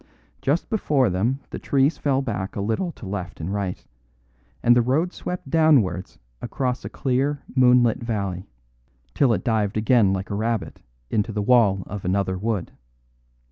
Just before them the trees fell back a little to left and right, and the road swept downwards across a clear, moonlit valley, till it dived again like a rabbit into the wall of another wood.